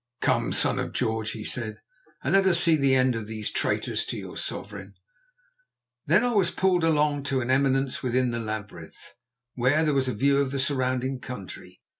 "Come, Son of George," he said, "and let us see the end of these traitors to your sovereign." Then I was pulled along to an eminence within the labyrinth, whence there was a view of the surrounding country.